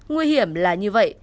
nguy hiểm là như vậy